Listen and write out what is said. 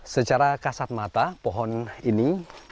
secara kasat mata pohon ini berada di tepi danau satonda